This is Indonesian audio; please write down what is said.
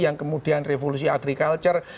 yang kemudian revolusi agrikultur